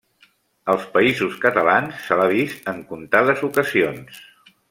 Als Països Catalans se l'ha vist en contades ocasions.